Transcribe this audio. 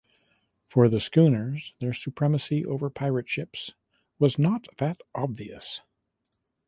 For the schooners their supremacy over pirate ships was not that obvious.